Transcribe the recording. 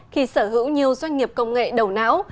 khi sở hữu nhiều doanh nghiệp công nghệ đầu não